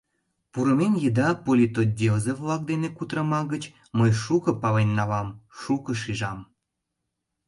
Пурымем еда политотделзе-влак дене кутырыма гыч мый шуко пален налам, шуко шижам.